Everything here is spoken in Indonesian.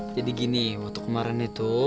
jadi gini waktu kemarin itu